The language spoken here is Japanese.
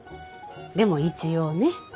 でも一応ね。